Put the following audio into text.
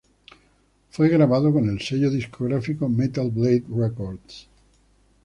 Fue grabado con el sello discográfico Metal Blade Records.